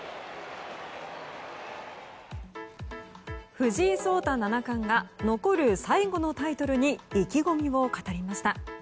藤井聡太七冠が残る最後のタイトルに意気込みを語りました。